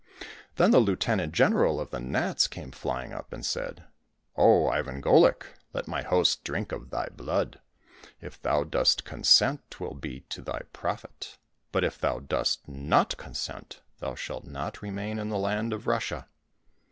Then the lieutenant general of the gnats came flying up and said, " Oh, Ivan Golik ! let my host drink of thy blood. If thou dost consent, 'twill be to thy profit ; but if thou dost not consent, thou shalt not remain in the land of Russia."